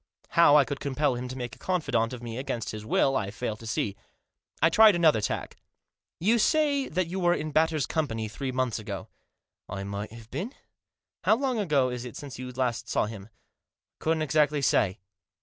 How I could compel him to make a confidant of me against his will I failed to see. I tried another tack. " You say that you were in Batters' company three months ago." " I might have been." " How long ago is it since you last saw him ?"" I couldn't exactly say."